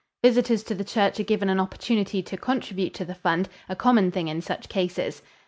Visitors to the church are given an opportunity to contribute to the fund a common thing in such cases.